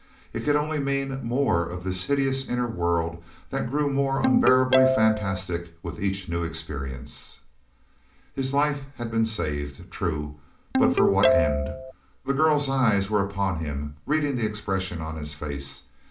It could only mean more of this hideous inner world that grew more unbearably fantastic with each new experience. His life had been saved. True, but for what end? The girl's eyes were upon him, reading the expression on his face.